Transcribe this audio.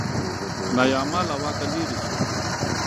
نیاما له واکه لرې شو.